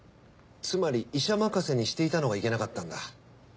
つまり医者任せにしていたのがいけなかったんだ。